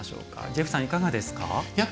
ジェフさん、いかがですか？